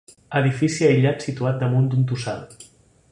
Edifici aïllat situat damunt d'un tossal.